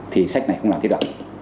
thì sách này không làm thiết đoạn